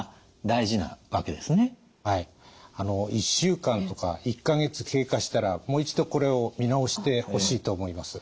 １週間とか１か月経過したらもう一度これを見直してほしいと思います。